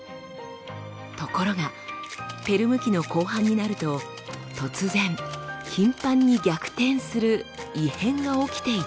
ところがペルム紀の後半になると突然頻繁に逆転する異変が起きていたのです。